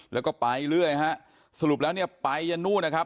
แล้วก็ไปเรื่อยฮะสรุปแล้วเนี่ยไปยันนู่นนะครับ